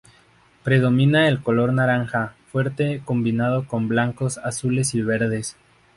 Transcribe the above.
Predomina el color naranja fuerte combinado con blancos, azules y verdes.